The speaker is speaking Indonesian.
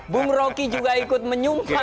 bung roki juga ikut menyumbang